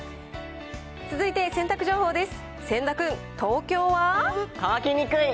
続いて洗濯情報です。